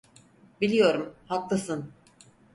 Biliyorum, haklısın.